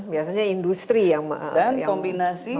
biasanya industri yang memproduksi emisi